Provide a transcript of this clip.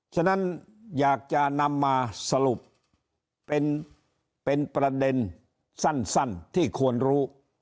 ฉะนั้นอยากจะนำมาสรุปเป็นประเด็นสั้นที่ควรรู้